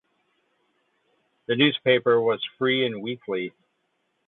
The newspaper was free and weekly.